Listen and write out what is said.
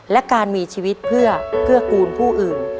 และการมีชีวิตเพื่อเกื้อกูลผู้อื่น